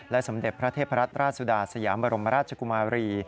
สมเด็จพระเทพรัตนราชสุดาสยามบรมราชกุมารี